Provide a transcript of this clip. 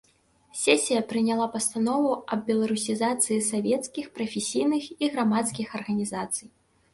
Сесія прыняла пастанову аб беларусізацыі савецкіх, прафесійных і грамадскіх арганізацый.